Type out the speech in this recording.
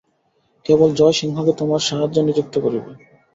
কেবল জয়সিংহকে তোমার সাহায্যে নিযুক্ত করিব।